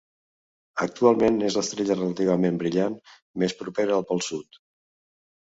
Actualment és l'estrella relativament brillant més propera al pol sud.